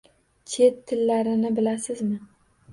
- Chet tillarini bilasizmi?